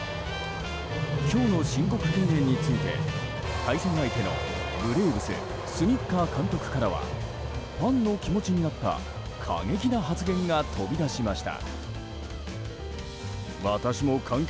今日の申告敬遠について対戦相手のブレーブススニッカー監督からはファンの気持ちになった過激な発言が飛び出しました。